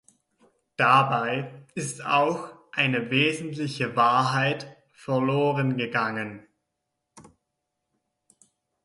Dabei ist auch eine wesentliche Wahrheit verloren gegangen.